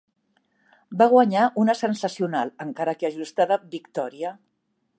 Va guanyar una sensacional, encara que ajustada, victòria